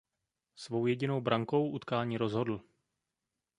Svou jedinou brankou utkání rozhodl.